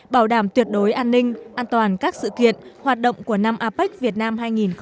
bảo đảm tuyệt đối an ninh an toàn các sự kiện hoạt động của năm apec việt nam hai nghìn hai mươi